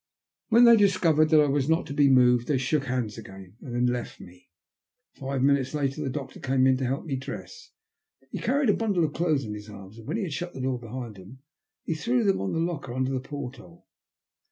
When they discovered that I was not to be moved they shook hands again, and then left me. Five minutes later the doctor came in to help me dress. He carried a bundle of clothes in his arms, and when he had shut the door behind him he threw them on the locker under the porthole.